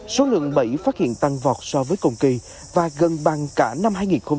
số lượng bẫy phát hiện tăng vọt so với cùng kỳ và gần bằng cả năm hai nghìn một mươi tám